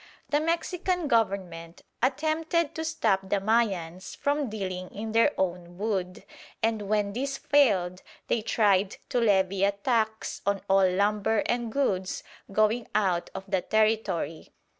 The Mexican Government attempted to stop the Mayans from dealing in their own wood; and, when this failed, they tried to levy a tax on all lumber and goods going out of the Territory.